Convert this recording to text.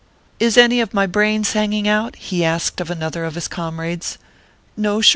" Is any of my brains hanging out ?" he asked of another of his comrades. 48 ORPHEUS C.